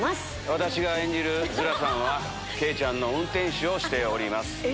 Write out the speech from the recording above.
私が演じるヅラさんはケイちゃんの運転手をしております。